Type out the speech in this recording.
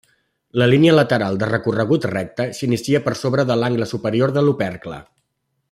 La línia lateral, de recorregut recte, s'inicia per sobre de l'angle superior de l'opercle.